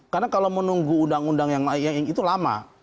karena kalau menunggu undang undang yang lain itu lama